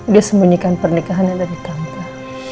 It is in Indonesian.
dia sembunyikan pernikahannya dari tante